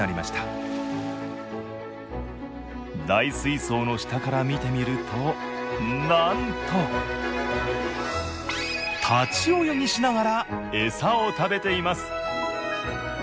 大水槽の下から見てみるとなんと立ち泳ぎしながら餌を食べています